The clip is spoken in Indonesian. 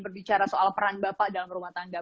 berbicara soal peran bapak dalam rumah tangga